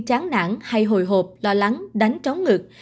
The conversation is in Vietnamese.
chán nản hay hồi hộp lo lắng đánh tróng ngực